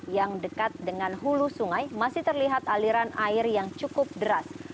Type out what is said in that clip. yang dekat dengan hulu sungai masih terlihat aliran air yang cukup deras